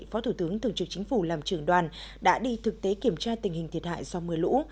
phó thủ tướng thường trực chính phủ làm trưởng đoàn đã đi thực tế kiểm tra tình hình thiệt hại do mưa lũ